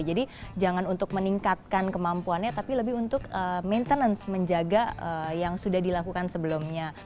jadi jangan untuk meningkatkan kemampuannya tapi lebih untuk maintenance menjaga yang sudah dilakukan sebelumnya